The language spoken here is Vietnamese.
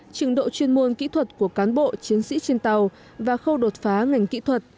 trình độ chuyên môn kỹ thuật của cán bộ chiến sĩ trên tàu và khâu đột phá ngành kỹ thuật